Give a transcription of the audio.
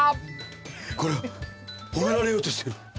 これは褒められようとしている。